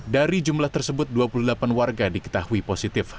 dari jumlah tersebut dua puluh delapan warga diketahui positif